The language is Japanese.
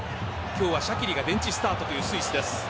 今日はシャキリがベンチスタートというスイスです。